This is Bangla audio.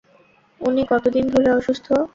উনি কতদিন ধরে অসুস্থ?